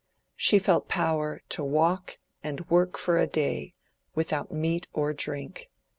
She felt power to walk and work for a day, without meat or drink.